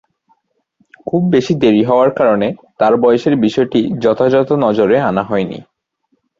খুব বেশি দেরি হওয়ার কারণে তার বয়সের বিষয়টি যথাযথ নজরে আনা হয়নি।